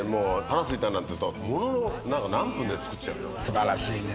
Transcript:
素晴らしいね。